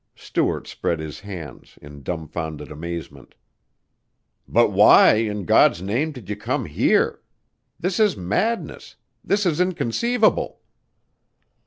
Stuart spread his hands in dumfounded amazement. "But why, in God's name, did you come here? This is madness this is inconceivable!"